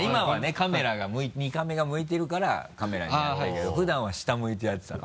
カメラが２カメが向いてるからカメラに向かったけど普段は下向いてやってたの？